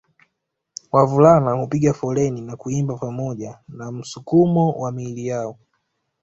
Wavulana hupiga foleni na kuimba pamoja na msukumo wa miili yao